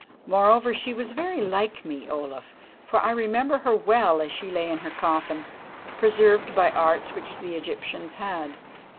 Moreover, she was very like me, Olaf, for I remember her well as she lay in her coffin, preserved by arts which the Egyptians had.